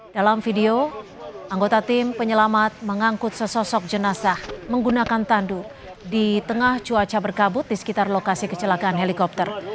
dalam video anggota tim penyelamat mengangkut sesosok jenazah menggunakan tandu di tengah cuaca berkabut di sekitar lokasi kecelakaan helikopter